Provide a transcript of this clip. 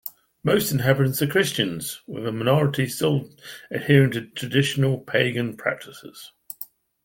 Most inhabitants are Christians, with a minority still adhering to traditional pagan practices.